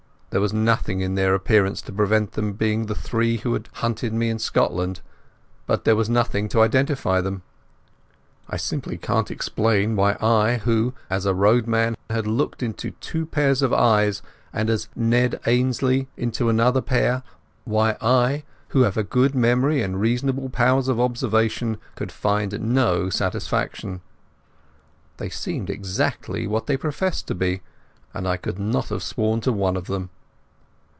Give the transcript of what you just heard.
There was nothing in their appearance to prevent them being the three who had hunted me in Scotland, but there was nothing to identify them. I simply can't explain why I who, as a roadman, had looked into two pairs of eyes, and as Ned Ainslie into another pair, why I, who have a good memory and reasonable powers of observation, could find no satisfaction. They seemed exactly what they professed to be, and I could not have sworn to one of them.